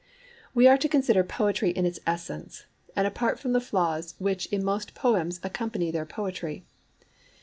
We are to consider poetry in its essence, and apart from the flaws which in most poems accompany their poetry.